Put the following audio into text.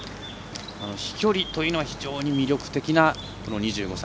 飛距離というのは非常に魅力的な２５歳。